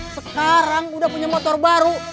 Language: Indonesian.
sekarang udah punya motor baru